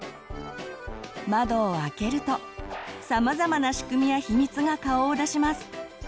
まどを開けるとさまざまな仕組みや秘密が顔を出します。